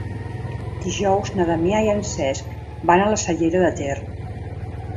Dijous na Damià i en Cesc van a la Cellera de Ter.